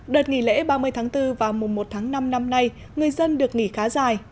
đợt nghỉ lễ ba mươi tháng bốn và mùa một tháng năm năm nay người dân được nghỉ khá dài